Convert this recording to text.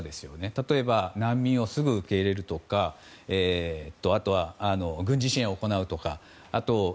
例えば難民をすぐ受け入れるとか軍事支援を行うとか。